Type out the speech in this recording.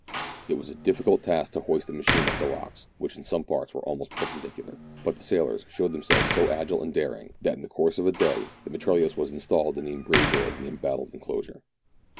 It was a difficult task to hoist the machine up the rocks, which in some parts were almost perpendicular; but the sailors showed themselves so agile and daring, that in the course of the day the mitrailleuse was installed in the embrasure of the embattled enclosure.